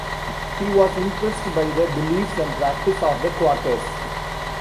He was impressed by the beliefs and practice of the Quakers.